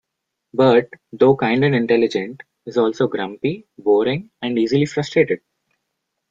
Bert, though kind and intelligent, is also grumpy, boring, and easily frustrated.